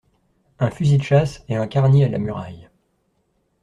Un fusil de chasse et un carnier à la muraille.